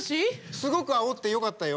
すごくあおってよかったよ。